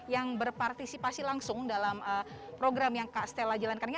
yang berpartisipasi langsung dalam program yang kak stella jalankannya